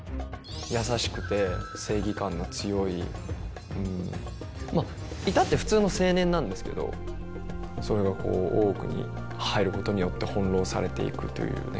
優しくて正義感の強いまあ至って普通の青年なんですけどそれがこう大奥に入ることによって翻弄されていくというね。